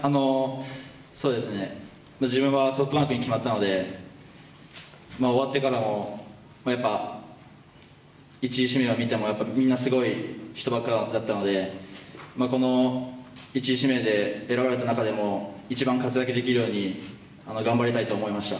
自分はソフトバンクに決まったので、終わってからも１位指名を見てもみんなすごい人ばっかだったので、１位指名で選ばれた中でも一番活躍できるように頑張りたいと思いました。